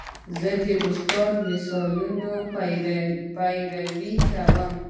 زه د استاد د مثالونو پیروي کوم.